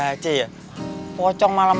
kita nyari dimulai oleh majumum